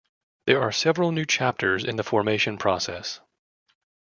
There are several new chapters in the formation process.